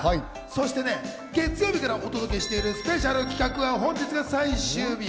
そして月曜日からお届けしているスペシャル企画は本日が最終日。